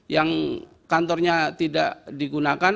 yang kantornya tidak digunakan